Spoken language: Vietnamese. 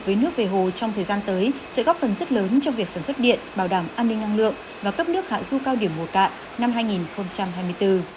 với nước về hồ trong thời gian tới sẽ góp phần rất lớn trong việc sản xuất điện bảo đảm an ninh năng lượng và cấp nước hạ du cao điểm mùa cạn năm hai nghìn hai mươi bốn